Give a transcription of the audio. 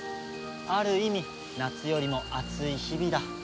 ある意味夏よりも熱い日々だ。